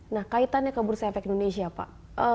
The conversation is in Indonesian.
nah kaitannya ke bursa efek indonesia pak